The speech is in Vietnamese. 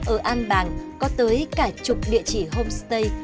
ở an bàng có tới cả chục địa chỉ homestay